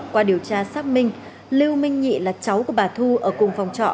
qua điều tra xác minh lưu minh nhị là cháu của bà thu ở cùng phòng trọ